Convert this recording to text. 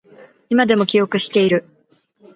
今でも記憶している